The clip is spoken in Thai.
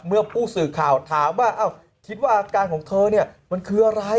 เมื่อผู้สื่อข่าวถามว่าคิดว่าอาการของเธอเนี่ยมันคืออะไร